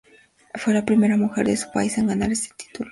Fue la primera mujer de su país en ganar este título.